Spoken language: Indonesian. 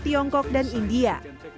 tiongkok dan india